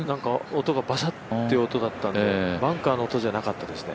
音がバシャッという音だったんで、バンカーの音じゃなかったね。